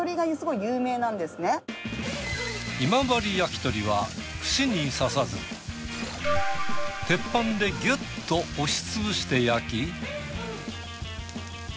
焼き鳥は串に刺さず鉄板でギュッと押しつぶして焼き。